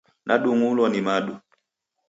Nadung'ulwa madu.